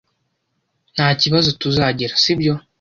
Nta kibazo tuzagira, sibyo?